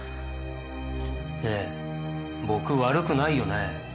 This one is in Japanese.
ねえ僕悪くないよね？